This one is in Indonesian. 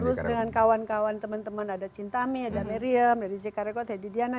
terus dengan kawan kawan temen temen ada cintami ada meriem dari jk rekod dan dedy diana